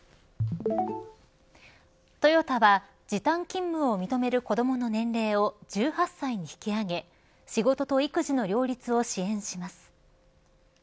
トヨタは、時短勤務を認める子どもの年齢を１８歳に引き上げ仕事と育児の両立を支援します。